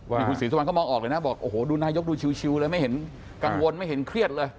คุณศีรษะวันน่ะเข้ามองออกเลยดูนายกดูชิลไม่เห็นกังวลไม่เห็นเครียดเลย